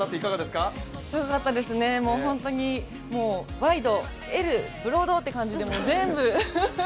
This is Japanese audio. すごかったですね、本当にワイド、Ｌ、ブロードともう、全部！